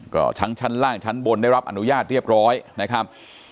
ก็ทั้งชั้นล่างชั้นบนได้รับอนุญาตเรียบร้อยนะครับ